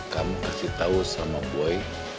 kamu kasih tau sama boy